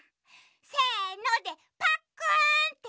せので「パックン！」っていってね。